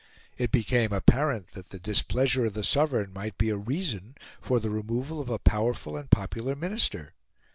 It became apparent that the displeasure of the Sovereign might be a reason for the removal of a powerful and popular Minister.